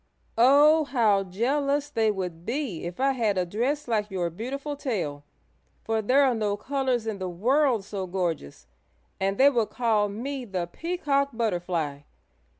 "Oh, how jealous they would be if I had a dress like your beautiful tail, for there are no colors in the world so gorgeous, and they would call me the Peacock Butterfly!